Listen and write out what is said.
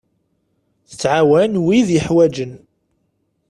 Tettɛawan wid yeḥwaǧen.